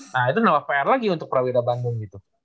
nah itu nama pr lagi untuk prawira bandung gitu